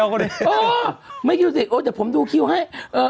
โอ้ไม่คิดว่าจะดูคิวให้